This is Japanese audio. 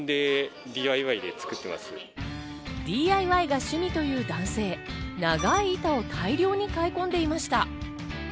ＤＩＹが趣味という男性、長い板を大量に買い込んでいました。